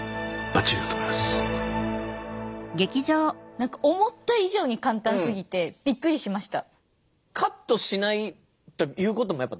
何か思った以上に簡単すぎてびっくりしました。